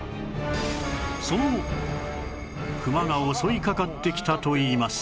その後クマが襲いかかってきたといいます